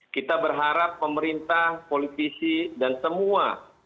kita berharap pemerintah politisi dan semua